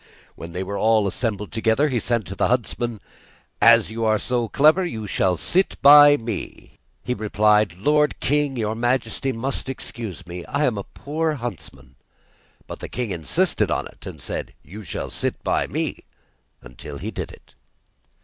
When they were all assembled together, he said to the huntsman: 'As you are so clever, you shall sit by me.' He replied: 'Lord King, your majesty must excuse me, I am a poor huntsman.' But the king insisted on it, and said: 'You shall sit by me,' until he did it.